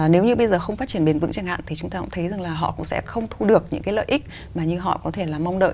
nếu như bây giờ không phát triển bền vững chẳng hạn thì chúng ta cũng thấy rằng là họ cũng sẽ không thu được những cái lợi ích mà như họ có thể là mong đợi